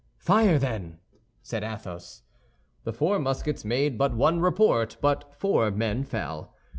"Fire, then," said Athos. The four muskets made but one report, but four men fell.